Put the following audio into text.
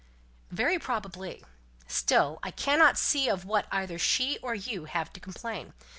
"Very probably. Still I cannot see of what either she or you have to complain.